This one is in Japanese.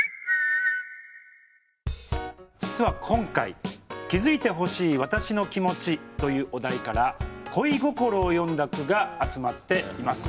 実は今回「気づいてほしい私の気持ち」というお題から恋心を詠んだ句が集まっています。